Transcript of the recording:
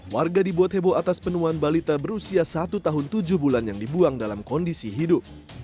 warga dibuat heboh atas penemuan balita berusia satu tahun tujuh bulan yang dibuang dalam kondisi hidup